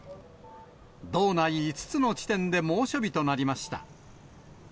道内５つの地点で猛暑日となりました。